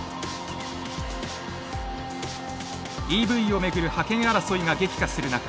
ＥＶをめぐる覇権争いが激化する中